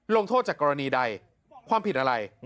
ลงโทษจากกรณีใดความผิดอะไร